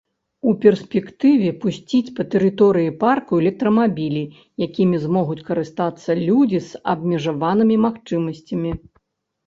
У перспектыве пусціць па тэрыторыі парку электрамабілі, якімі змогуць карыстацца людзі з абмежаванымі магчымасцямі.